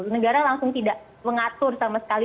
negara langsung tidak mengatur sama sekali